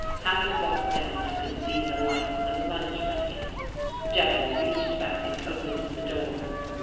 Half a block down, I could see the lights of a lunch wagon. Jeffrey reached back and opened the door.